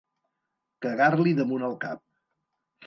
Cagar-li damunt el cap.